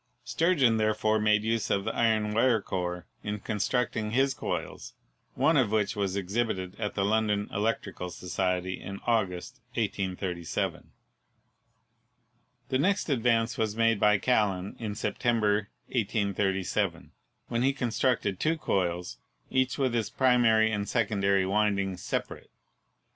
Sturgeon there fore made use of the iron wire core in constructing his coils, one of which was exhibited to the London Electrical Society in August, 1837. The next advance was made by Callan in September, J ^37, when he constructed two coils, each with its pri mary and secondary windings separate.